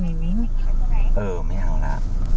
เออไม่เอาละ